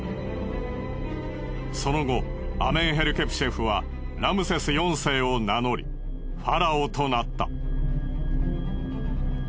その後アメンヘルケプシェフはラムセス４世を名乗りファラオとなった。